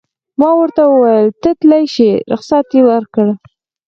ما ورته وویل: ته تلای شې، رخصت یې ورکړ.